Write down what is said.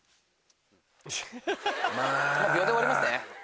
秒で終わりますね。